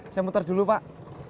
saya muter dulu pak